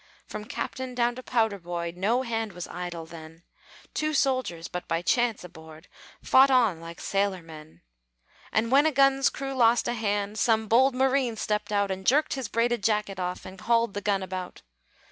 From captain down to powder boy, No hand was idle then; Two soldiers, but by chance aboard, Fought on like sailor men. And when a gun's crew lost a hand, Some bold marine stepped out, And jerked his braided jacket off, And hauled the gun about.